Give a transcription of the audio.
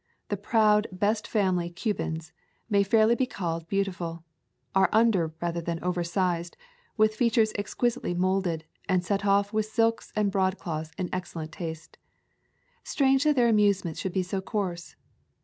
The proud best family Cubans may fairly be called beau tiful, are under rather than over sized, with features exquisitely moulded, and set off with silks and broadcloth in excellent taste. Strange that their amusements should be so coarse.